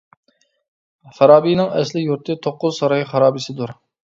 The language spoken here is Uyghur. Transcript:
فارابىنىڭ ئەسلى يۇرتى توققۇز ساراي خارابىسىدۇر.